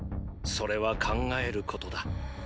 それは考えることだ。